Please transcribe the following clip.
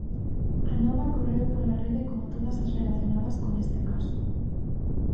A nova correu pola rede como todas as relacionadas con este caso.